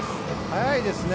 早いですね。